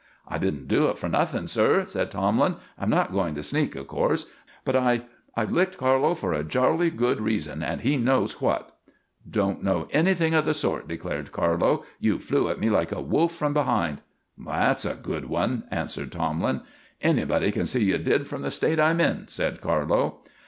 "I didn't do it for nothing, sir," said Tomlin. "I'm not going to sneak, of course; but I I licked Carlo for a jolly good reason, and he knows what." "Don't know anything of the sort," declared Carlo. "You flew at me like a wolf from behind." "That's a good one," answered Tomlin. "Anybody can see you did from the state I'm in," said Carlo.